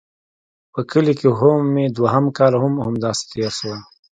په کلي کښې مې دويم کال هم همداسې تېر سو.